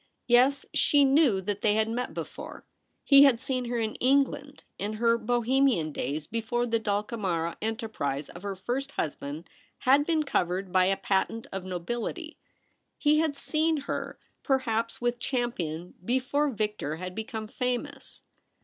Yes, she knew that they had met before. He had seen her in England in her Bohemian days before the Dulcamara enterprise of her first husband had been covered by a patent THE BOTHWELL PART. 281 of nobility ; he had seen her. perhaps, with Champion before Victor had become famous.